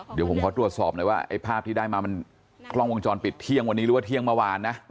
เดี๋ยวผมขอตรวจสอบหน่อยว่าไอ้ภาพที่ได้มามันกล้องวงจรปิดเที่ยงวันนี้หรือว่าเที่ยงเมื่อวานนะ